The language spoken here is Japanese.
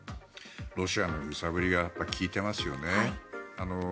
ロシアの揺さぶりが利いてますよね。